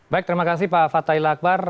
baik terima kasih pak fatahil akbar